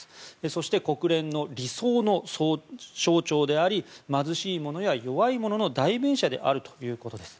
そして国連の理想の象徴であり貧しい者や弱い者の代弁者であるということです。